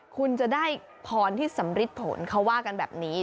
คุณจะได้พรที่สำริดผลเขาว่ากันแบบนี้